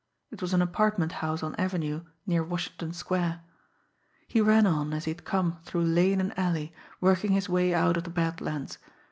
It was an apartment house on Avenue near Washington Square. He ran on, as he had come, through lane and alley, working his way out of the Bad Lands.